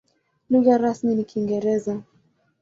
Lugha rasmi ni Kiingereza.